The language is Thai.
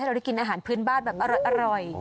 เราได้กินอาหารพื้นบ้านแบบอร่อย